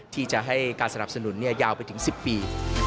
ที่จะให้การสนับสนุนยาวไปถึง๑๐ปี